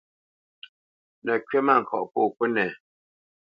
Nə̌ kywítmâŋkɔʼ pô kúnɛ.